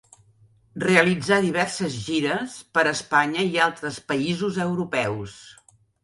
Realitzà diverses gires per Espanya i altres països europeus.